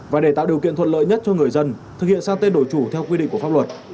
và để tạo điều kiện thuận lợi nhất cho người dân thực hiện sang tên đổi chủ theo quy định của pháp luật